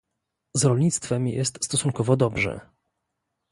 Z rolnictwem jest stosunkowo dobrze